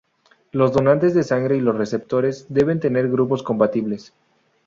Los donantes de sangre y los receptores deben tener grupos compatibles.